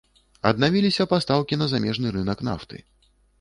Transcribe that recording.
Аднавіліся пастаўкі на замежны рынак нафты.